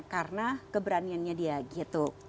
karena keberaniannya dia gitu